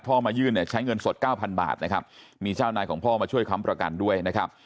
พ่อมายื่นใช้เงินสด๙๐๐๐บาทนะครับมีเจ้านายของพ่อมาช่วยค้ำประกันด้วยนะครับ